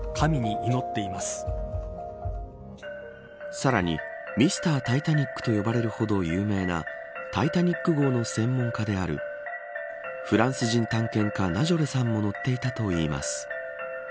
さらにミスター・タイタニックと呼ばれるほど有名なタイタニック号の専門家であるフランス人探検家ナジョレさんも乗っていたといいます。